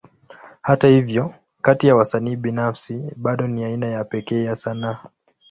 Hata hivyo, kati ya wasanii binafsi, bado ni aina ya pekee ya sanaa.